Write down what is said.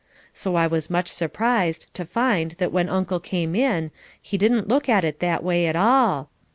So I was much surprised to find that when Uncle came in he didn't look at it that way at all.